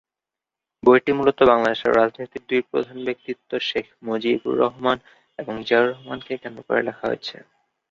বইটি মূলত বাংলাদেশের রাজনীতির দুই প্রধান ব্যক্তিত্ব শেখ মুজিবুর রহমান এবং জিয়াউর রহমানকে কেন্দ্র করে লেখা হয়েছে।